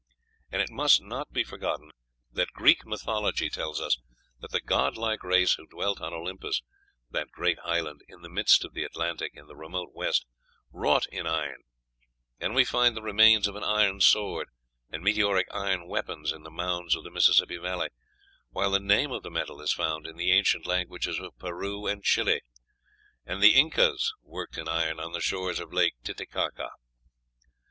And it must not be forgotten that Greek mythology tells us that the god like race who dwelt on Olympus, that great island "in the midst of the Atlantic," in the remote west, wrought in iron; and we find the remains of an iron sword and meteoric iron weapons in the mounds of the Mississippi Valley, while the name of the metal is found in the ancient languages of Peru and Chili, and the Incas worked in iron on the shores of Lake Titicaca.